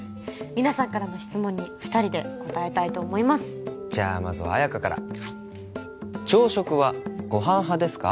皆さんからの質問に二人で答えたいと思いますじゃあまずは綾華からはい「朝食はご飯派ですか？